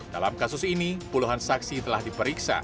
dalam kasus ini puluhan saksi telah diperiksa